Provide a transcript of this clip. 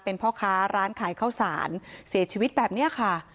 เป็นพ่อค้าร้านขายข้าวสารเสียชีวิตแบบนี้ค่ะ